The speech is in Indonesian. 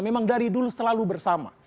memang dari dulu selalu bersama